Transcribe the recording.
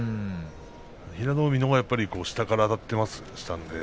平戸海のほうが下からあたっています。